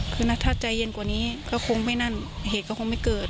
คือถ้าใจเย็นกว่านี้ก็คงไม่นั่นเหตุก็คงไม่เกิด